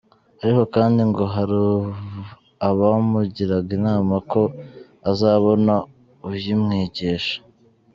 Ariko kandi ngo hari abamugiraga inama ko azabona uyimwigisha.